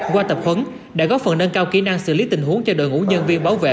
qua tập huấn đã góp phần nâng cao kỹ năng xử lý tình huống cho đội ngũ nhân viên bảo vệ